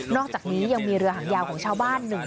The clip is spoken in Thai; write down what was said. อกจากนี้ยังมีเรือหางยาวของชาวบ้านหนึ่ง